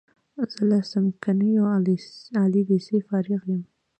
زه له څمکنیو عالی لیسې فارغ یم.